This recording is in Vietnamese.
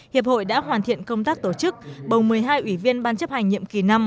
hiệp hội đã hoàn thiện công tác tổ chức bồng một mươi hai ủy viên ban chấp hành nhiệm kỳ năm